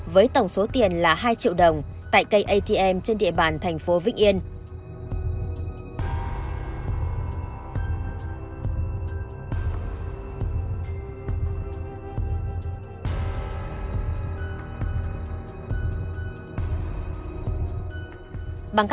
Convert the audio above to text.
với tổng số tiền là hai triệu đồng tại cây atm trên địa bàn thành phố vĩnh yên